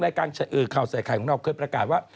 รายการข่าวใส่ไข่ของเราเคยประกาศว่า